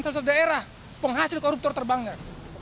salah satu daerah penghasil koruptor terbanyak